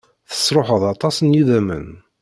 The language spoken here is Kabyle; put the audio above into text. Tesruḥeḍ aṭas n yidammen.